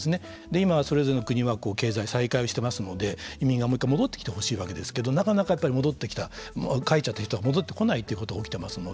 今、それぞれの国は経済再開をしてますので移民がもう一回戻ってきてほしいわけですけれどもなかなか帰っちゃった人が戻ってこないということが起きてますので